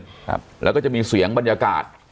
ดวกซื้อแห่งหนึ่งครับแล้วก็จะมีเสียงบรรยากาศ